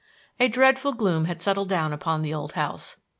A dreadful gloom had settled down upon the old house.